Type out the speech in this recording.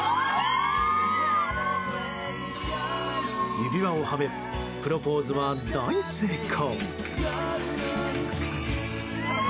指輪をはめプロポーズは大成功。